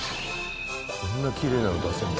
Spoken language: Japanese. こんなきれいなの出せるんだ。